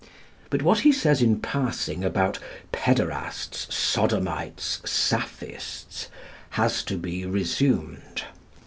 But what he says in passing about "pæderasts, sodomites, saphists," has to be resumed.